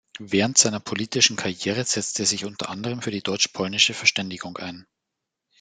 Während seiner politischen Karriere setzte er sich unter anderem für die deutsch-polnische Verständigung ein.